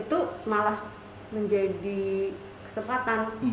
itu malah menjadi kesempatan